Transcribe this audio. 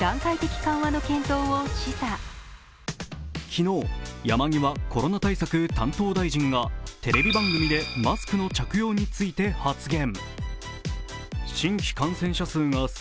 昨日、山際コロナ対策担当大臣がテレビ番組でマスクの着用について発言。